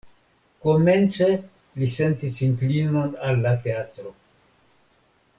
Komence li sentis inklinon al la teatro.